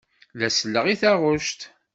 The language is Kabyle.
La selleɣ i taɣect.